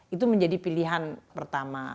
itu menjadi pilihan pertama